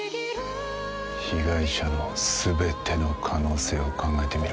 被害者の全ての可能性を考えてみろ。